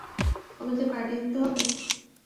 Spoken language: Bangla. আমাদের পার্টি দিতে হবে!